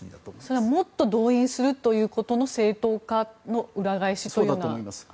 それはもっと動員するということの正当化のそうだと思います。